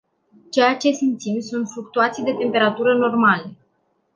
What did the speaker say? Ceea ce simțim sunt fluctuații de temperatură normale.